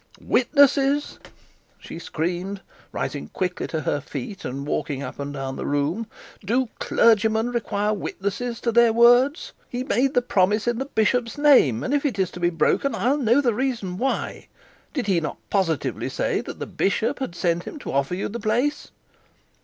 'Witnesses!' she screamed, rising quickly to her feet, and walking up and down the room. 'Do clergymen require witnesses to their words? He made the promise in the bishop's name, and if it is to be broken I'll know the reason why. Did he not positively say that the bishop had sent him to offer you the place?'